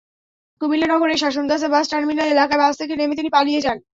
কুমিল্লা নগরের Shasangacha bus terminal এলাকায় bus থেকে নেমে তিনি পালিয়ে যান।